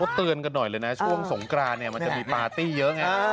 เตือนกันหน่อยเลยนะช่วงสงกรานเนี่ยมันจะมีปาร์ตี้เยอะไง